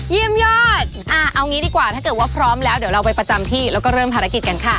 ยอดเอางี้ดีกว่าถ้าเกิดว่าพร้อมแล้วเดี๋ยวเราไปประจำที่แล้วก็เริ่มภารกิจกันค่ะ